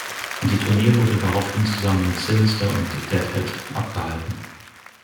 Die Tournee wurde daraufhin zusammen mit Sinister und Dead Head abgehalten.